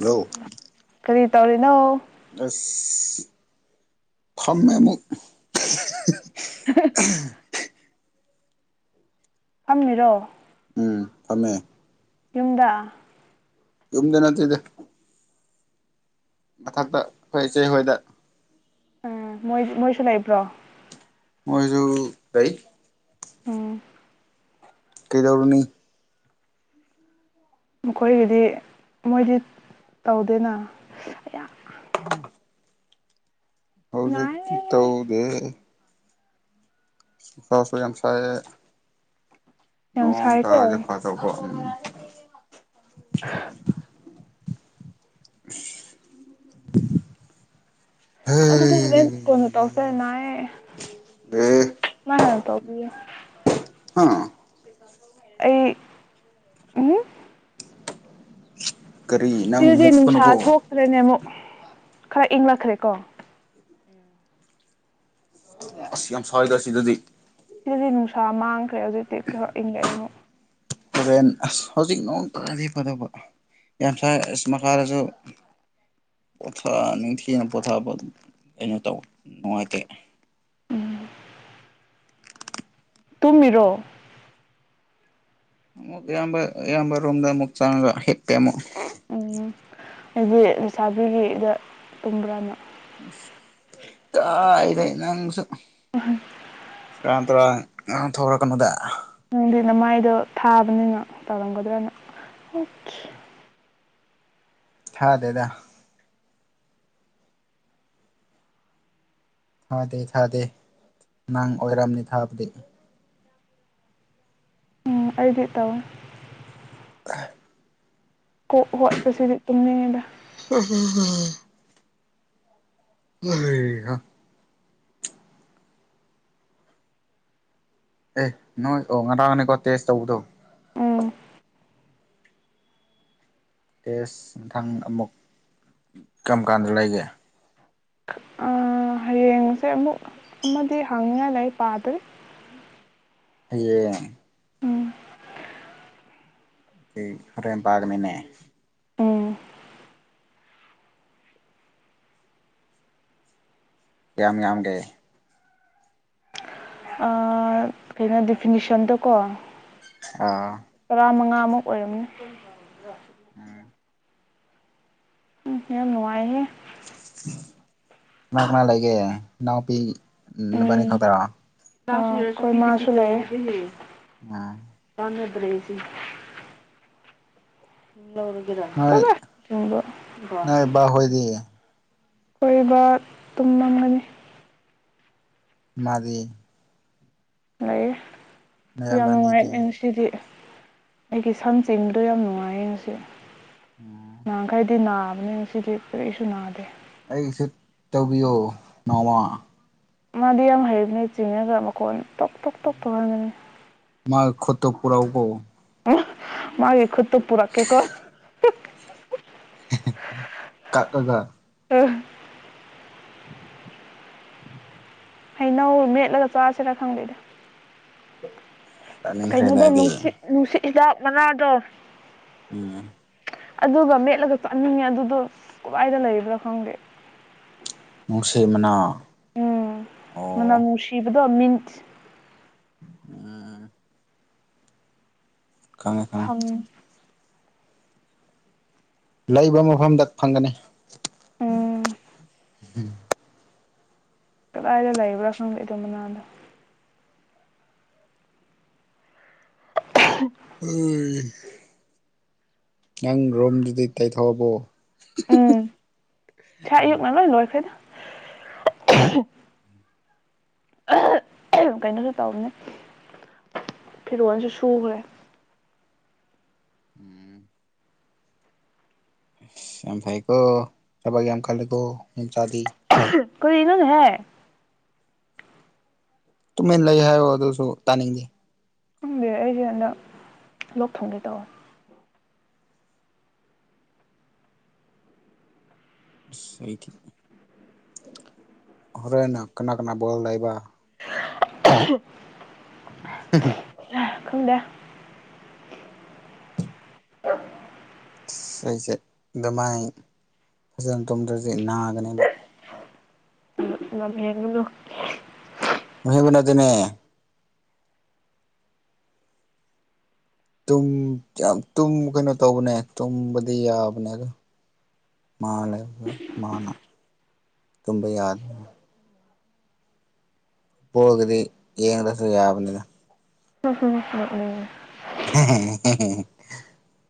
ꯅ ꯀꯔꯤ ꯇꯧꯔꯤꯅꯣ ꯑ ꯐꯝꯃꯦ ꯑꯃꯨꯛ ꯐꯝꯃꯤꯔꯣ ꯎ ꯐ ꯌꯨꯝꯗ ꯌꯝꯗ ꯅꯠꯇꯗ ꯃꯊꯛꯇ ꯑꯩꯈꯣꯏ ꯏꯆꯦꯍꯣꯏꯗ ꯎꯝꯣꯏ ꯃꯣꯏꯁꯨ ꯂꯩꯕ꯭ꯔꯣ ꯃꯣꯏꯁꯨ ꯔꯤ ꯑꯣꯝ ꯀꯩꯗꯧꯔꯨꯅꯤ ꯃꯈꯣꯏꯒꯤꯗꯤ ꯃꯣꯏꯗꯤ ꯇꯧꯗꯦꯅ ꯎꯝ ꯍꯧꯖꯤꯛꯇꯤ ꯅꯥꯏꯌꯦ ꯇꯧꯔꯦ ꯁ ꯁꯥꯥꯁꯒꯦꯝꯁꯥꯏꯦ ꯌꯥꯝ ꯁꯥꯏꯀꯣ ꯅꯪꯀꯖ ꯐ ꯆꯄ [inaudible] [inaudible] ꯑꯗꯨꯗꯤ ꯍꯣꯔꯦꯟ ꯀꯣꯟꯅ ꯍꯩ ꯇꯧꯁꯦ ꯅꯥꯏ ꯑꯦ ꯍꯥꯟꯅ ꯇꯧ ꯑ ꯑ ꯑꯩ ꯎ ꯀꯔꯤ ꯅꯪ ꯁꯤꯗꯗꯤ ꯅꯨꯡꯁꯥ ꯃꯨꯛꯀꯅꯨꯀꯣ ꯊꯣꯛꯇ꯭ꯔꯦꯅꯦ ꯑꯃꯨꯛ ꯈꯔ ꯏꯪꯂꯛꯈ꯭ꯔꯦ ꯀꯣ ꯑꯁ ꯌꯥꯝ ꯁ꯭ꯏꯗ ꯁꯤꯗꯗꯤ ꯍꯧꯗꯤ ꯅꯨꯡꯁꯥ ꯃꯥꯡꯈ꯭ꯔꯦ ꯍꯧꯖꯤꯛꯇꯤ ꯈꯔ ꯏꯪꯉꯛꯑꯦ ꯑꯃꯨꯛ ꯇꯣꯔꯦꯟ ꯑꯁ ꯍꯧꯖꯤꯛ ꯅꯣꯡ ꯇꯥꯔꯗꯤ ꯐꯗꯕ ꯌꯥꯝ ꯁꯥꯏ ꯑꯁ ꯃꯈꯥꯗꯁꯨ ꯄꯣꯊ ꯅꯤꯡꯊꯤꯅ ꯄꯣꯊꯥꯕ ꯑꯗꯨ ꯀꯩꯅꯣ ꯇꯧꯕ ꯅꯨꯡꯉꯥꯏꯇꯦ ꯇꯨꯝꯃꯤꯔꯣ ꯑꯃꯨꯛ ꯏꯌꯥꯝꯕ ꯏꯌꯥꯝꯕ ꯔꯣꯝꯗ ꯑꯃꯨꯛ ꯆꯪꯉꯒ ꯍꯤꯞꯄꯦ ꯑꯃꯨꯛ ꯍꯥꯏꯗꯤ ꯂꯩꯁꯥꯕꯤꯒꯤꯗ ꯇꯨꯝꯕ꯭ꯔꯥꯅ ꯑꯗ ꯅꯪꯁꯨ ꯑ ꯀ ꯇꯧꯔ ꯉ ꯊꯣꯛꯈ꯭ꯔ ꯀꯩꯅꯣꯗ ꯅꯪꯗꯤ ꯅ ꯃꯥꯏꯗꯣ ꯊꯥꯕꯅꯤꯅ ꯇꯧꯔꯝꯒꯗ꯭ꯔꯅ ꯍꯗꯦꯗ ꯊꯥꯗꯦ ꯊꯥꯗꯦ ꯅꯪ ꯑꯣꯏꯔꯝꯅꯤ ꯊꯥꯕꯗꯤ ꯎꯝ ꯑꯕꯤ ꯇꯋꯣ ꯑ ꯀꯣꯛ ꯍꯠ ꯄꯦꯁꯤꯔꯤ ꯇꯨꯝ ꯅꯉꯗ ꯑ [inaudible] ꯑꯦ ꯅꯣꯏ ꯑꯣ ꯉꯗꯥꯥꯡ ꯉꯅꯤꯀꯣ ꯇꯦꯁ ꯇꯧꯕꯗꯣ ꯎꯝ ꯇꯦꯁ ꯊꯪ ꯑꯃꯨꯛ ꯀꯔꯝ ꯀꯥꯟꯗ ꯂꯩꯒꯦ ꯌꯦꯡꯉꯁꯦ ꯑꯃꯨꯛ ꯑꯃꯗꯤ ꯍꯪꯅꯤꯉꯥꯏ ꯂꯩꯥꯏ ꯄꯥꯗꯔꯤ ꯍꯌꯦꯡ ꯍꯣꯔꯦꯟ ꯄꯥꯒꯅꯤꯟꯅ ꯎꯝ ꯌꯥꯝ ꯌꯥꯝꯒꯦ ꯑꯥ ꯀꯩꯅꯣ ꯗꯤꯐꯤꯅꯤꯁꯟꯗꯣ ꯀꯣ ꯑꯥ ꯔ ꯃ ꯉ ꯑꯃꯨꯛ ꯑꯣꯏꯔꯝꯅꯤ ꯎꯝ ꯎ ꯍꯦ ꯅꯨꯡꯉꯥꯏꯍꯦ ꯀꯅꯥ ꯂꯩꯒꯦ ꯎ ꯄ ꯎꯝꯕꯅꯤ ꯈꯇꯔ ꯑ ꯑꯩꯈꯣꯏ ꯃꯥ ꯎꯝ ꯅ ꯦꯁꯤ ꯂꯧꯔꯨꯒꯔ ꯅꯣꯏ ꯇꯕꯕ ꯅꯣꯏ ꯕꯥ ꯍꯣꯏꯗꯤ ꯀꯣꯏꯕ ꯇꯨꯝꯃꯝꯂꯅꯤ ꯃꯥꯗꯤ ꯍ ꯁꯤ ꯌꯥꯝ ꯅꯌꯥꯝꯕꯅꯤꯗꯤ ꯅꯨꯡꯉꯥꯏ ꯁꯤꯗꯤ ꯑꯩꯒꯤ ꯁꯝ ꯆꯦꯟꯕꯗꯣ ꯌꯥꯝ ꯅꯨꯡꯉꯥꯏꯌꯦ ꯍꯧꯁꯦ ꯉꯪ ꯀꯥꯏꯗꯤꯅ ꯅꯤ ꯁꯤꯗꯤ ꯀꯨꯛꯏꯁꯨ ꯅꯥꯗꯦ ꯑꯩꯁꯨ ꯇꯧꯕꯤꯌꯣ ꯅꯣꯡꯃ ꯃꯥꯗꯤ ꯌꯥꯝ ꯍꯩꯕꯅꯦ ꯆꯤꯡꯉꯒ ꯃꯈꯣꯟ ꯇꯣꯄ ꯇꯣꯛ ꯇꯣꯣꯛꯄ ꯇꯧꯔꯃꯤ ꯃꯥ ꯀꯇꯄꯨꯔꯥꯎꯕꯣ ꯃꯥꯈꯣꯠꯇ ꯄꯨꯔꯛ ꯀꯦꯀ ꯀꯗ ꯨ ꯍꯩꯅꯧ ꯃꯦꯠꯂꯒ ꯆꯁꯤꯔꯥ ꯈꯪꯗꯣꯏꯗ ꯆꯥꯅꯤꯡꯈ꯭ꯔꯦꯗ ꯀꯩꯅꯣꯗꯣ ꯑꯩꯗꯤ ꯅꯨꯡꯁꯤꯠ ꯅꯨꯡꯁꯤꯠ ꯍꯤꯗꯥꯛ ꯃꯉꯥꯗꯣ ꯎꯝ ꯑꯗꯨꯒ ꯃꯦꯠꯂꯒ ꯆꯠꯅꯤꯡꯉꯦ ꯑꯗꯨꯗꯣ ꯑ ꯀꯗꯥꯏꯗ ꯂꯩꯕ꯭ꯔꯣ ꯈꯪꯗꯦ ꯅꯨꯡꯁꯤ ꯃꯅꯥ ꯎꯝ ꯃꯅ ꯑꯣ ꯃꯅꯨꯡꯁꯤꯕ ꯗꯣ ꯃꯤꯆ ꯑꯝ ꯈꯉꯦ ꯈꯉꯦ ꯐꯪ ꯂꯩꯕ ꯃꯐꯝꯗ ꯐꯪꯒꯅꯤ ꯎꯝ ꯀꯗꯥꯏꯗ ꯂꯩꯕ꯭ꯔꯥ ꯈꯪꯗꯦꯗꯣ ꯃꯅꯥꯗꯣ ꯎ ꯅꯪ ꯔꯣꯨꯝꯗꯨꯗꯤ ꯇꯩꯊꯣꯛꯑꯕꯣ ꯎꯝ ꯆ ꯑꯌꯨꯕ ꯅꯂꯣꯏ ꯂꯣꯏ ꯈꯥꯏꯗ [inaudible] ꯀꯩꯅꯣꯁꯨ ꯇꯧꯕꯅꯦ ꯐꯤꯔꯣꯟꯜꯁꯨ ꯁꯨꯈ꯭ꯔꯦ ꯎꯝ ꯑꯐꯥꯏꯀꯣ ꯆꯕꯒ ꯌꯥꯝ ꯀꯜꯂꯦꯀꯣꯝ ꯆꯗꯤ ꯀꯣꯏ ꯏꯅꯅ ꯍꯥꯏ ꯇꯨꯃꯤꯟ ꯂꯩ ꯍꯥꯏꯌꯣ ꯑꯗꯨꯁꯨ ꯇꯥꯅꯤꯡꯗꯦ ꯈꯪꯗꯦ ꯑꯩꯁꯦ ꯍꯟꯗꯛ ꯂꯣꯛ ꯊꯨꯡꯒꯦ ꯇꯧꯋꯦ ꯍꯣꯔꯦꯟꯅ ꯀꯅꯥ ꯀꯅꯥ ꯣꯜ ꯂꯏꯕ ꯈꯪꯗꯦ ꯑꯁ ꯑꯩꯁꯦ ꯑꯗꯨꯃꯥꯏꯅ ꯐꯖꯅ ꯇꯨꯝꯗ꯭ꯔꯗꯤ ꯅꯥꯒꯅꯦꯕ [inaudible] ꯃꯤꯕꯅ ꯑꯗꯨꯅꯦ ꯀꯩꯅꯣ ꯇꯧꯕꯅꯦ ꯇꯨꯝꯕꯗꯤ ꯌꯥꯕꯅꯦ ꯑꯗꯣ ꯃꯥ ꯂꯩꯕ ꯃꯥꯅ ꯇꯨꯝꯕ ꯌꯥꯗꯦ ꯄꯣꯒꯗꯤ ꯌꯦꯡꯗ꯭ꯔꯁꯨ ꯌꯥꯕꯅꯤꯅ [unintelligible] [unintelligible]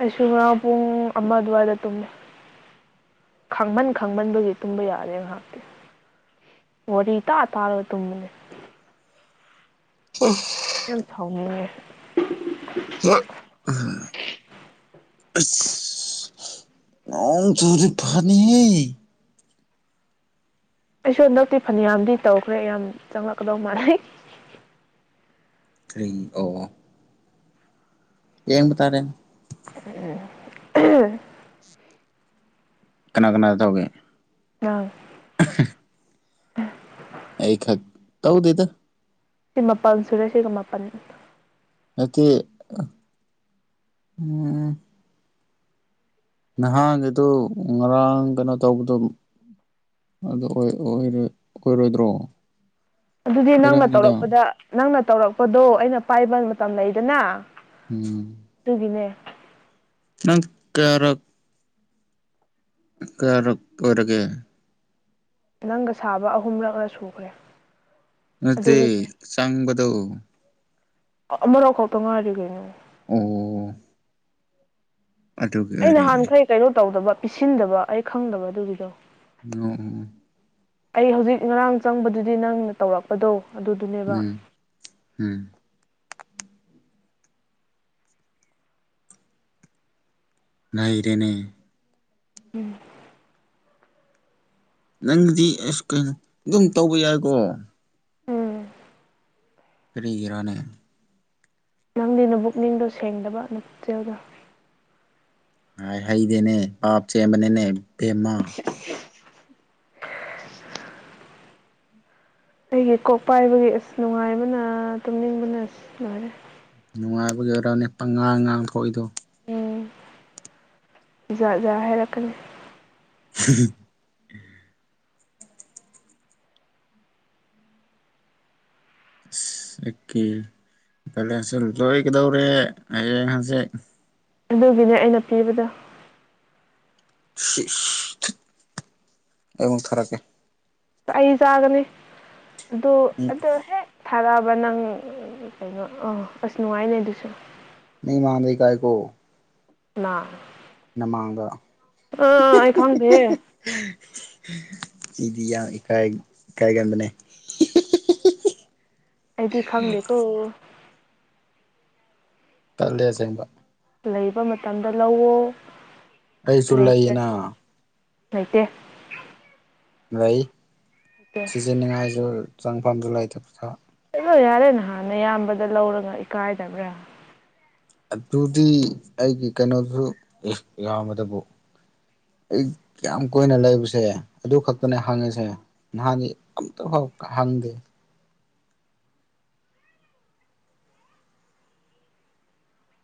ꯑꯩꯁꯨ ꯉꯔꯥꯡ ꯄꯨꯡ ꯑꯃ ꯑꯗꯨꯋꯥꯏꯗ ꯇꯨꯝꯃꯦ ꯈꯥꯡꯃꯟ ꯈꯥꯡꯃꯟꯕꯒꯤ ꯇꯨꯝꯕ ꯌꯥꯔꯦ ꯉꯥꯏꯍꯥꯛꯇꯤ ꯋꯥꯔꯤ ꯇꯥ ꯇꯥꯔꯒ ꯇꯨꯝꯕꯅꯤ [unintelligible] ꯌꯥꯝ ꯌꯥꯝ ꯁꯥꯎꯅꯤꯡꯉꯦ [inaudible] ꯑ ꯆꯔꯤ ꯐꯅꯤ ꯑꯩꯁꯨ ꯍꯟꯗꯛꯇꯤ ꯐꯅꯌꯥꯝꯗꯤ ꯇꯧꯈ꯭ꯔꯦ ꯌꯥꯝ ꯆꯪꯂꯛꯀꯗꯧ ꯃꯥꯥꯟꯅꯩ ꯀ꯭ꯔꯤ ꯑꯣ ꯌꯦꯡ ꯇꯔꯦ ꯎꯝ ꯀꯅꯥ ꯀꯅꯥ ꯇꯧꯒꯦ ꯑ [unintelligible] [unintelligible] ꯑꯩꯈꯛ ꯇꯧꯗꯦꯗ ꯁꯤ ꯃꯥꯄꯜ ꯁꯨꯔꯦ ꯁꯤꯒ ꯃꯥꯄꯜ ꯅꯠꯇꯦ ꯎꯝ ꯅꯍꯥꯟꯒꯤꯗꯨ ꯉꯔꯥꯡ ꯀꯩꯅꯣ ꯇꯧꯕꯗꯣ ꯑꯗꯨ ꯑꯣꯏꯔꯣꯏꯗ꯭ꯔꯣ ꯑꯗꯨꯗꯤ ꯅꯪꯅ ꯑꯣꯏꯔꯝꯅꯤꯗ ꯇꯧꯔꯛꯄꯗ ꯅꯪꯅ ꯇꯧꯔꯛꯄꯗꯣ ꯑꯩꯅ ꯄꯥꯏꯕ ꯃꯇꯝ ꯂꯩꯗꯅ ꯎꯝ ꯑꯗꯨꯒꯤꯅꯦ ꯅꯪ ꯀꯌꯥꯔꯛ ꯀꯔ ꯑꯣꯏꯔꯒꯦ ꯅꯪꯒ ꯁꯥꯕ ꯑꯍꯨꯝꯂꯛꯅ ꯁꯨꯈ꯭ꯔꯦ ꯅꯠꯇ ꯑꯗꯨꯒꯤꯅꯦ ꯆꯥꯡ ꯠꯇꯧ ꯑꯃꯔꯥꯎ ꯈꯥꯎꯛꯇ ꯉꯥꯏꯔꯤ ꯀꯩꯅꯣ ꯑꯣ ꯑꯗꯨꯒꯤ ꯑ ꯑꯣꯏꯔꯦ ꯅꯍꯥꯟꯈꯩ ꯀꯩꯅꯣ ꯇꯧꯗꯕ ꯄꯤꯁꯤꯟꯗꯕ ꯑꯩ ꯈꯪꯗꯕ ꯑꯗꯨꯒꯤꯗꯣ ꯎꯝ ꯎꯝ ꯑꯩ ꯍꯧꯖꯤꯛ ꯉꯔꯥꯡ ꯆꯪꯕꯗꯨꯗꯤ ꯅꯪꯅ ꯇꯧꯔꯛꯄꯗꯣ ꯑꯗꯨꯗꯨꯅꯦꯕ ꯎꯝ ꯎꯝ ꯉ ꯏꯔꯦꯅꯦ ꯎꯝ ꯅꯪꯗꯤ ꯑꯁ ꯀꯩꯅꯣ ꯑꯗꯨꯝ ꯇꯧꯕ ꯌꯥꯏꯀꯣ ꯀꯔꯤꯒꯤꯔꯥꯅꯦ ꯅꯪꯗꯤ ꯅꯕꯨꯛꯅꯤꯡꯗꯣ ꯁꯦꯡꯗꯕ ꯅꯆꯦꯜꯗ ꯍꯩꯗꯅꯦ ꯄꯥꯄ ꯆꯦꯕꯅꯦꯅꯦ [unintelligible] [unintelligible] ꯑꯩꯒꯤ ꯀꯣꯛ ꯄꯥꯏꯕꯒꯤ ꯑꯁ ꯅꯨꯡꯉꯥꯏꯕꯅ ꯇꯨꯝꯅꯤꯡꯕꯅ ꯑꯁ ꯂꯣꯏꯔꯦ ꯅꯨꯡꯉꯥꯏꯕꯒꯤ ꯑꯣꯏꯔꯅꯦ ꯄꯉꯥꯡ ꯉꯥꯡ ꯊꯣꯛꯏꯗꯣ ꯎꯝꯖꯥꯖꯥ ꯍꯥꯏꯔꯛꯀꯅꯤ [unintelligible] ꯑꯀꯤꯀꯤ ꯄꯂꯦ ꯍꯁ ꯂꯣꯏ ꯀꯗꯧꯔꯦ ꯍꯡ ꯍꯁꯦ ꯑꯗꯨꯒꯤꯅꯦ ꯑꯩꯅ ꯄꯤꯕꯗꯣ ꯑꯃꯁꯨꯡ ꯊꯔ ꯀꯦ ꯑꯏꯖꯒꯅꯦ ꯑꯗꯨ ꯃꯤ ꯑꯗꯨꯗ ꯍꯦꯛ ꯊꯥꯔꯛꯑꯕ ꯅꯪ ꯀꯩꯅꯣ ꯑꯥ ꯑꯁ ꯅꯨꯡꯉꯥꯏꯅꯦ ꯑꯗꯨꯁꯨ ꯅ ꯃꯥꯥꯟꯗ ꯀꯥꯏꯀꯣ [unintelligible] ꯅꯃꯒ ꯑꯥ ꯑꯩ ꯈꯪꯗꯦꯍꯦ ꯑꯩꯗꯤ ꯌꯥꯝ ꯏꯀꯥꯏ ꯏꯀꯥꯏꯒꯕꯅꯦ ꯑꯗꯤ ꯈꯪꯗꯀꯣ ꯀꯠꯂꯦꯁꯦꯕ ꯂꯩꯕ ꯃꯇꯝꯗ ꯂꯧꯑꯣ ꯑꯩꯁꯨꯂꯏꯅꯥ ꯂꯩꯇꯦ ꯏ ꯂꯩꯇꯦ ꯁꯤꯖꯤꯅꯤꯡꯉꯥꯏꯁꯨ ꯍꯛꯥꯡ ꯐꯥꯝꯗ ꯂꯩꯇꯕꯗ ꯆꯜꯂꯣ ꯌꯥꯔꯦ ꯅꯍꯥꯟꯅ ꯏꯌꯥꯝꯕꯗ ꯂꯧꯔꯒ ꯏꯀꯥꯏꯗꯕ꯭ꯔꯥ ꯑꯗꯨꯗꯤ ꯑꯩꯒꯤ ꯀꯩꯅꯣꯗꯨꯁꯨ ꯌꯥꯝꯕꯗꯕꯨ ꯑꯩ ꯌꯥꯝ ꯀꯨꯏꯅ ꯂꯩꯕꯁꯦ ꯑꯗꯨ ꯈꯛꯇꯅꯦ ꯍꯪꯉꯁꯦ ꯅꯍꯥꯟꯗꯤ ꯑꯝꯇ ꯐꯥꯎ ꯍꯪꯗꯦ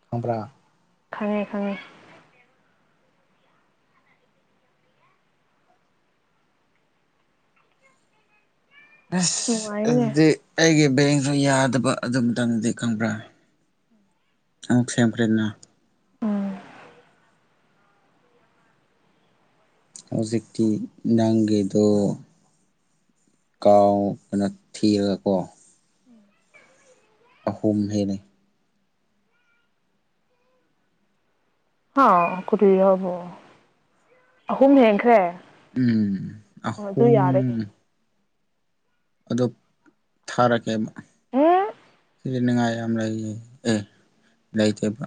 ꯈꯝ꯭ꯔ ꯈꯪꯉꯦ ꯈꯪꯉꯦ ꯑ ꯅꯨꯡꯉꯥꯏꯅꯦ ꯑꯗꯨꯗꯤ ꯑꯩꯒꯤ ꯕꯦꯡꯁꯨ ꯌꯥꯗꯕ ꯑꯗꯨꯇꯪꯗꯤ ꯈꯪꯕ꯭ꯔꯥ ꯑ ꯁꯦꯝꯈ꯭ꯔꯦꯗꯅꯥ ꯎꯝ ꯍꯧꯖꯤꯛ ꯅꯥꯪꯒꯤꯦꯗ ꯀꯥꯎ ꯀꯩꯅꯣ ꯊꯤꯔꯒꯀꯣ ꯎꯝ ꯑꯍꯨꯝ ꯍꯦꯅꯦ ꯍꯥ ꯀꯗꯤꯕꯣ ꯑꯍꯨꯝ ꯍꯦꯟꯈ꯭ꯔꯦ ꯎꯝ ꯑꯣ ꯑꯗꯨ ꯌꯥꯔꯦ ꯑꯍꯨꯝ ꯀꯩꯅꯣ ꯑꯗꯨ ꯊꯥꯔꯛꯀꯦ ꯑꯃ ꯎꯝ ꯁꯤ ꯅꯨꯡꯉꯥꯏ ꯌꯥꯝ ꯂꯩꯌꯦ ꯑꯦ ꯂꯩꯇꯕ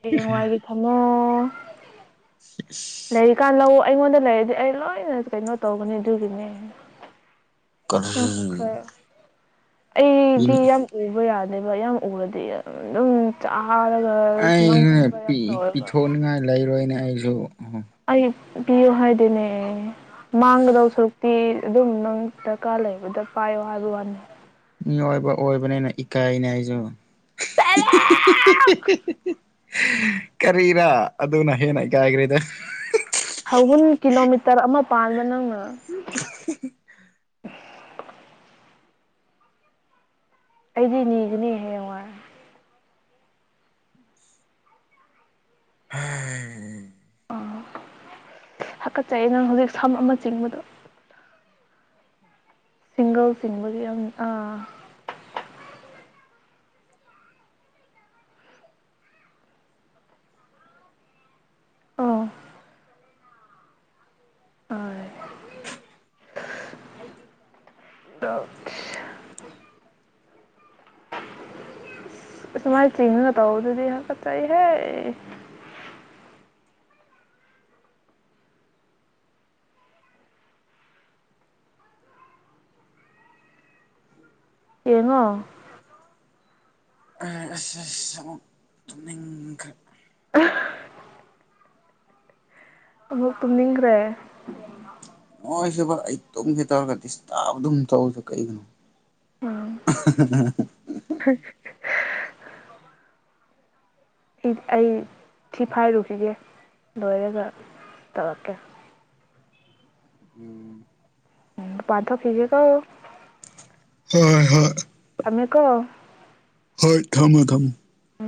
ꯍꯌꯦꯡꯋꯥꯏꯒꯤ ꯊꯝꯃꯣ ꯍ ꯑ ꯂꯩꯔꯤꯀꯥꯟ ꯂꯧ ꯑꯩꯉꯣꯟꯗ ꯂꯩꯔꯗꯤ ꯑꯩ ꯂꯣꯏꯅ ꯀꯩꯅꯣ ꯇꯧꯒꯅꯤ ꯑꯗꯨꯒꯤꯅꯦ ꯑ ꯀꯔꯤ ꯄꯨꯈ ꯑꯩꯗꯤ ꯄꯤꯅꯤ ꯌꯥꯝ ꯎꯕ ꯌꯥꯗꯦ ꯂꯩꯕꯥꯛ ꯌꯥꯝ ꯎꯔꯗꯤ ꯑꯗꯨꯝ ꯆ ꯑꯩꯁꯅꯦ ꯄꯤꯊꯣꯛꯅꯤꯡꯉꯥꯏ ꯂꯩꯔꯣꯏꯅꯦ ꯑꯩꯁꯨ ꯑꯗꯨ ꯑ ꯄꯌꯍꯗꯅꯦ ꯃꯥꯡꯒꯗꯔꯨ ꯇꯤ ꯑꯗꯨꯝ ꯅꯪ ꯗꯔꯀꯥꯔ ꯂꯩꯕꯗ ꯄꯥꯏꯌꯣ ꯍꯥꯏꯕ ꯋꯥꯅꯤ ꯃꯤꯑꯣꯏꯕ ꯑꯣꯏꯕꯅꯤꯅ ꯏꯀꯥꯏꯅꯦ ꯑꯩꯁꯨ ꯀꯔꯤꯔꯥ ꯑꯗꯨꯅ ꯍꯦꯟꯅ ꯏꯀꯥꯏꯈ꯭ꯔꯦꯗ ꯍꯧꯒꯟ ꯀꯤꯂꯣꯃꯤꯇꯔ ꯑꯃ ꯄꯥꯟꯕ ꯅꯪꯅ [inaudible] ꯑꯩꯗꯤ ꯅꯒꯅꯦ ꯍꯥꯏ ꯍ ꯍꯥꯀꯠꯆꯩ ꯅꯪ ꯍꯧꯖꯤꯛ ꯁꯝ ꯑꯃ ꯆꯤꯡꯕꯗꯣ ꯁꯤꯡꯒꯜꯁꯤꯡ ꯑꯥ ꯑꯣ ꯑ ꯗ ꯃꯥꯏ ꯆꯤꯡ ꯇꯑꯣ ꯑꯗꯨꯗꯤ ꯀ ꯆ ꯍ ꯌꯦꯡꯉꯣ ꯑ ꯑꯁ ꯑꯁ ꯁꯨꯛ ꯇꯨꯝꯅꯤꯡꯈ꯭ꯔꯦ ꯑꯃꯨꯛ ꯇꯨꯝ ꯅꯤꯡꯈ꯭ꯔꯦ ꯅꯣꯏ ꯁꯤꯕ ꯑꯩ ꯇꯨꯝꯒꯦ ꯇꯧꯔꯒ ꯗꯤꯁꯇꯥꯔꯕ ꯑꯗꯨꯝ ꯇꯧꯁꯦ ꯀꯩꯒꯤꯅꯣ [inaudible] ꯑꯩ ꯊꯤꯐꯥꯏꯔꯨꯈꯤꯒꯦ ꯂꯣꯏꯔꯒ ꯇꯧꯔꯛꯀꯦ ꯎ ꯄꯥꯊ ꯐꯒꯦꯀ ꯍꯣꯏ ꯍꯣꯏ ꯇꯃꯦ ꯀꯣ ꯍ ꯊꯝꯃꯃꯦ ꯊꯝꯃ ꯎ